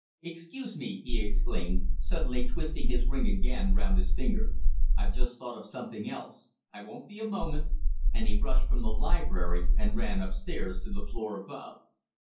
"Excuse me," he exclaimed, suddenly twisting his ring again round his finger. "I've just thought of something else. I won't be a moment," and he rushed from the library and ran upstairs to the floor above.